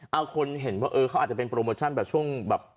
เอาคนเห็นว่าเออเขาอาจจะเป็นโปรโมชั่นแบบช่วงแบบ